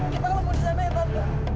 kita akan lembut di sana ya tante